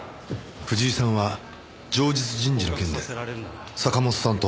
藤井さんは情実人事の件で坂本さんともめてましたからね。